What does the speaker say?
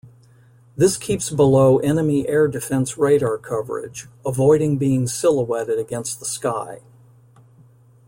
This keeps below enemy air defence radar coverage, avoiding being silhouetted against the sky.